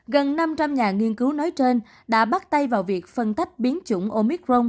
gần năm trăm linh nhà nghiên cứu nói trên đã bắt tay vào việc phân tách biến chủng omicron